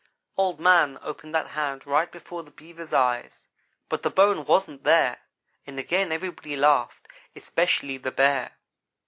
"Old man opened that hand right before the Beaver's eyes, but the bone wasn't there, and again everybody laughed especially the Bear.